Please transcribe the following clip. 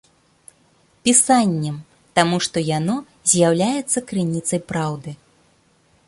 Пісаннем, таму што яно з'яўляецца крыніцай праўды.